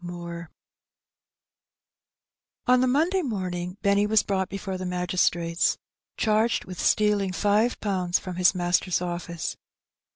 MOOBB. • On the Monday morning Benny was brought brfore tiie magistrates^ charged with stealing five pounds froin his master's office.